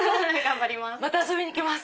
また遊びにきます！